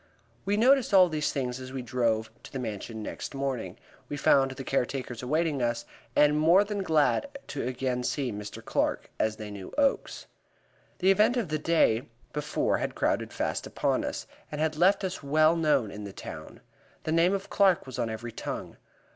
We noticed all these points as we drove to the Mansion next morning. We found the care takers awaiting us, and more than glad to again see Mr. Clark, as they knew Oakes. The events of the day before had crowded fast upon us, and had left us well known in the town. The name of Clark was on every tongue.